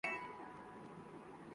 مقامی فلموں کی مسلسل کامیابی لازمی ہے۔